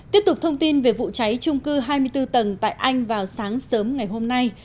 tiếp tục thông tin về vụ cháy trung cư hai mươi bốn tầng tại anh vào sáng sớm ngày hôm nay